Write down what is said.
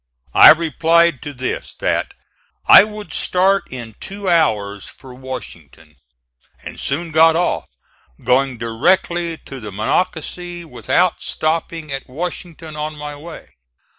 I replied to this that "I would start in two hours for Washington," and soon got off, going directly to the Monocacy without stopping at Washington on my way.